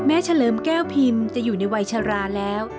เฉลิมแก้วพิมพ์จะอยู่ในวัยชราแล้ว